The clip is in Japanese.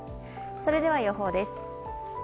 それでは予報です。